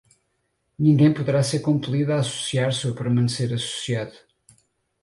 ninguém poderá ser compelido a associar-se ou a permanecer associado